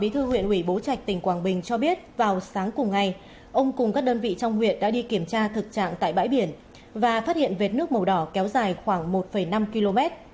bí thư huyện ủy bố trạch tỉnh quảng bình cho biết vào sáng cùng ngày ông cùng các đơn vị trong huyện đã đi kiểm tra thực trạng tại bãi biển và phát hiện vệt nước màu đỏ kéo dài khoảng một năm km